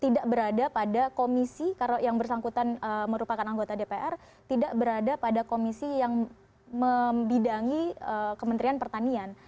tidak berada pada komisi karena yang bersangkutan merupakan anggota dpr tidak berada pada komisi yang membidangi kementerian pertanian